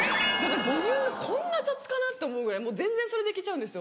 自分がこんな雑かなって思うぐらい全然それで行けちゃうんですよ